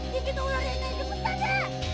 dikit ularnya aja cepet aja